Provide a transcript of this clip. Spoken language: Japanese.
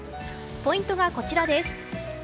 ポイントがこちらです。